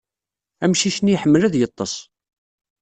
Amcic-nni iḥemmel ad yeḍḍes.